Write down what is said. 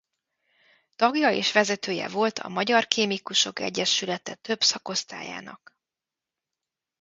Tagja és vezetője volt a Magyar Kémikusok Egyesülete több szakosztályának.